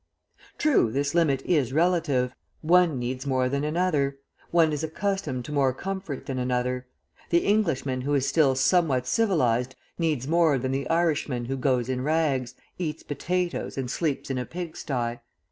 True, this limit is relative; one needs more than another, one is accustomed to more comfort than another; the Englishman who is still somewhat civilised, needs more than the Irishman who goes in rags, eats potatoes, and sleeps in a pig sty.